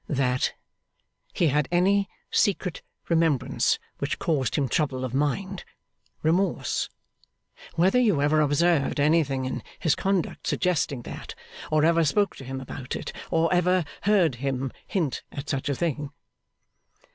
' that he had any secret remembrance which caused him trouble of mind remorse? Whether you ever observed anything in his conduct suggesting that; or ever spoke to him upon it, or ever heard him hint at such a thing?